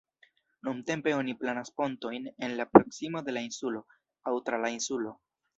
Nuntempe oni planas pontojn en la proksimo de la insulo aŭ tra la insulo.